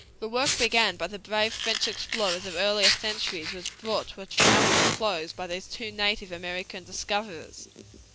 The work begun by the brave French explorers of earlier centuries was brought to a triumphant close by these two native American discoverers.